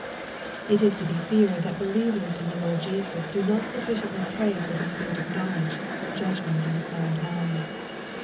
It is to be feared, that believers in the Lord Jesus do not sufficiently pray for the spirit of knowledge, judg ment, and a sound mind.